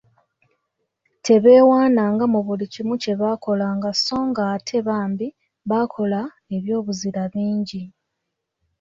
Tebeewaananga mu buli kimu kye baakolanga so ng'ate bambi baakola eby'obuzira bingi.